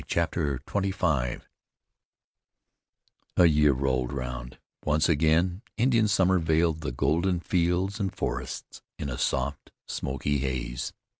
CHAPTER XXV A year rolled round; once again Indian summer veiled the golden fields and forests in a soft, smoky haze.